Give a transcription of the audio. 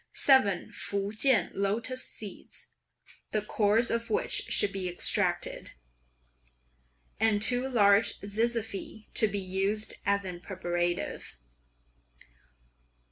Seven Fukien lotus seeds, (the cores of which should be extracted,) and two large zizyphi to be used as a preparative.